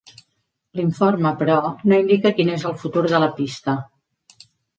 L'informe, però, no indica quin és el futur de la pista.